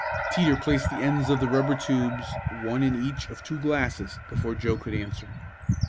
Teeter placed the ends of the rubber tubes one in each of two glasses before Joe could answer.